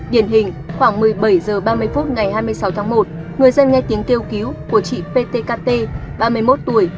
điển hình khoảng một mươi bảy h ba mươi phút ngày hai mươi sáu tháng một người dân nghe tiếng kêu cứu của chị ptkt ba mươi một tuổi